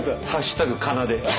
「＃かな」で。